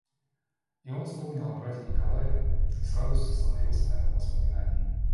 И он вспомнил о брате Николае и с радостью остановился на этом воспоминании.